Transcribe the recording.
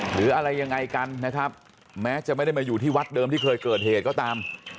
หรืออะไรยังไงกันนะครับแม้จะไม่ได้มาอยู่ที่วัดเดิมที่เคยเกิดเหตุก็ตาม